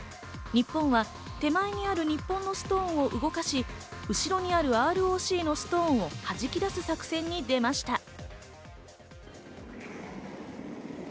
日本は手前にある日本のストーンを動かし、後ろにあるＲＯＣのストーンをはじき出す作戦に出ました。